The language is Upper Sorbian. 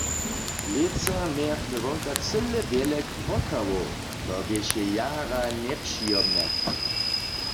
Lětsa mějachmy wonka cyle wjele krokawow, to běše jara njepřijomne.